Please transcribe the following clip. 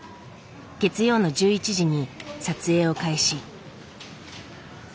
月曜の１１時に撮影を開始。